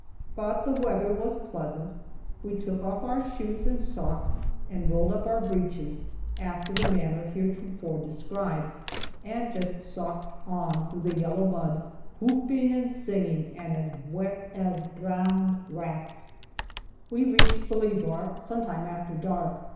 But the weather was pleasant, we took off our shoes and socks and rolled up our breeches, after the manner heretofore described, and just "socked on" through the yellow mud, whooping and singing, and as wet as drowned rats. We reached Bolivar some time after dark.